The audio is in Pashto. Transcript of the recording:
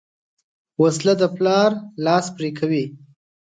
وسله د پلار لاس پرې کوي